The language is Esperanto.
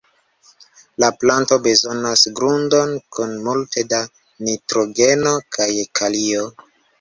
La planto bezonas grundon kun multe da nitrogeno kaj kalio.